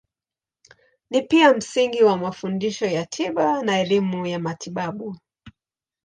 Ni pia msingi wa mafundisho ya tiba na elimu ya matibabu.